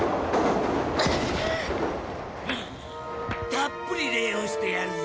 たっぷり礼をしてやるぜ。